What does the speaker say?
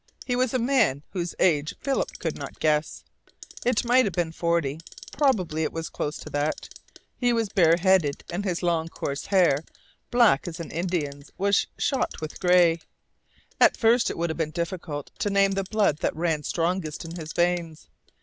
He was a man whose age Philip could not guess. It might have been forty. Probably it was close to that. He was bareheaded, and his long coarse hair, black as an Indian's, was shot with gray. At first it would have been difficult to name the blood that ran strongest in his veins.